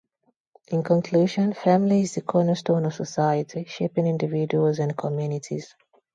In conclusion, family is the cornerstone of society, shaping individuals and communities.